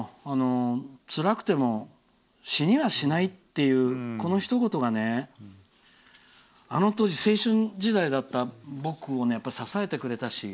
つらくても死にはしないっていうこのひと言があの当時、青春時代だった僕を支えてくれたし。